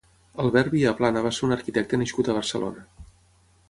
Albert Viaplana va ser un arquitecte nascut a Barcelona.